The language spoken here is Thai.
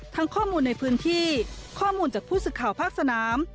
ข้อมูลในพื้นที่ข้อมูลจากผู้สื่อข่าวภาคสนาม